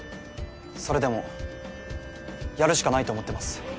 それでもやるしかないと思ってます。